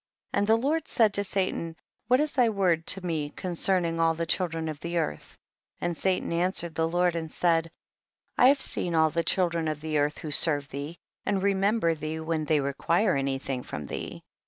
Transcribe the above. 48. And the Lord said to Satan, what is thy word to me concerning all the children of the earth ? and Satan answered the Lord and said, I have seen all the children of the earth who serve thee and remember thee when they require anything from thee.